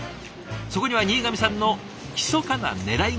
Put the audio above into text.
そこには新上さんのひそかなねらいが。